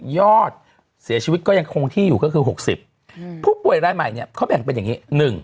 ยอดเสียชีวิตก็ยังคงที่อยู่ก็คือ๖๐ผู้ป่วยรายใหม่เนี่ยเขาแบ่งเป็นอย่างนี้